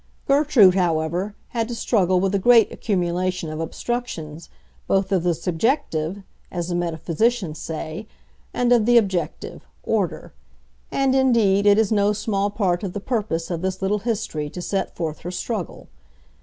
Gertrude, however, had to struggle with a great accumulation of obstructions, both of the subjective, as the metaphysicians say, and of the objective, order; and indeed it is no small part of the purpose of this little history to set forth her struggle.